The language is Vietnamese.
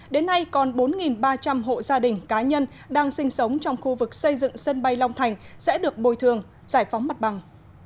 đến nay còn bốn ba trăm linh hộ gia đình cá nhân đang sinh sống trong khu vực xây dựng sân bay long thành sẽ được bồi thường giải phóng mặt bằng